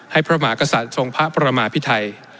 พระมหากษัตริย์ทรงพระประมาพิไทย